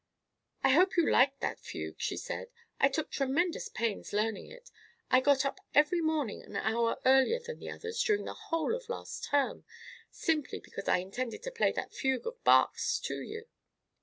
"I hope you liked that fugue?" she said. "I took tremendous pains learning it. I got up every morning an hour earlier than the others during the whole of last term, simply because I intended to play that fugue of Bach's to you."